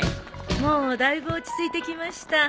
もうだいぶ落ち着いてきました。